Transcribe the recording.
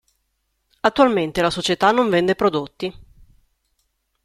Attualmente la società non vende prodotti.